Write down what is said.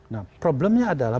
nah problemnya adalah